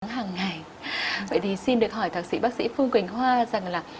hàng ngày vậy thì xin được hỏi thạc sĩ bác sĩ phương quỳnh hoa rằng là